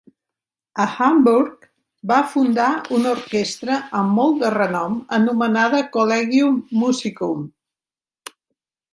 A Hamburg, va fundar una orquestra amb molt de renom anomenada "Collegium Musicum".